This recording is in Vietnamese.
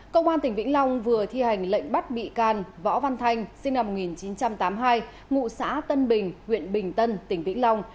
công an tỉnh vĩnh long vừa thi hành lệnh bắt bị can võ văn thanh sinh năm một nghìn chín trăm tám mươi hai ngụ xã tân bình huyện bình tân tỉnh vĩnh long